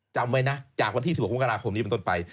จำไว้นะจากวันที่๑๖มกราคมนี้เป็นต้นไป